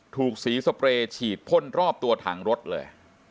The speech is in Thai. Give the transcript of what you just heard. ถูกสีสเปรย์ฉีดพ่นรอบตัวถังรถเลย